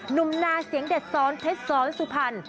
หนุ่มนาเสียงเด็ดซ้อนเทศซ้อนสุพรรณ